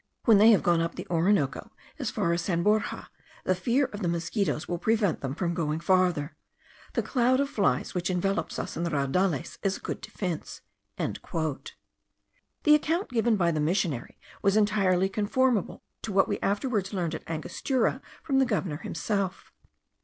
When they have gone up the Orinoco as far as San Borja, the fear of the mosquitos will prevent them from going farther. The cloud of flies which envelopes us in the raudales is a good defence." The account given by the missionary was entirely conformable to what we afterwards learned at Angostura from the governor himself.